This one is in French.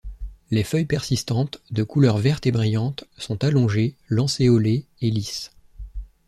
Les feuilles persistantes, de couleur verte et brillante, sont allongées, lancéolées et lisses.